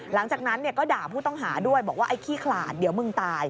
หลังจากนั้นก็ด่าผู้ต้องหาด้วยบอกว่าไอ้ขี้ขลาดเดี๋ยวมึงตาย